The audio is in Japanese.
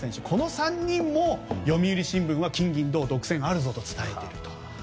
この３人も読売新聞は金銀銅独占あるぞと伝えています。